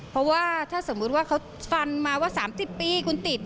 เพราะว่าถ้าสมมุติว่าเขาฟันมาว่า๓๐ปีคุณติด